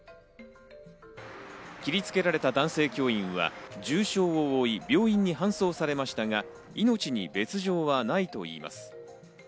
切りつけられた男性教員は重傷を負い、病院に搬送されましたが、命に別条はないといいます。